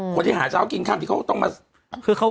คนที่หาเช้ากินค่ำที่เขาต้องมา